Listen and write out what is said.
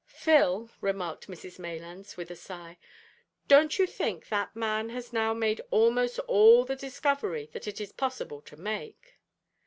"Phil," remarked Mrs Maylands, with a sigh, "don't you think that man has now made almost all the discoveries that it is possible to make?"